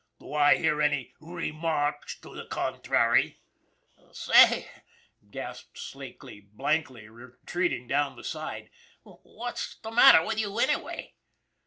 Do I hear any r^ marks to the contrary ?"" Say," gasped Slakely blankly, retreating down the aisle, " what's the matter with you, anyway